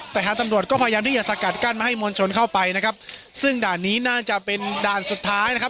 แต่ทางตำรวจก็พยายามที่จะสกัดกั้นไม่ให้มวลชนเข้าไปนะครับซึ่งด่านนี้น่าจะเป็นด่านสุดท้ายนะครับ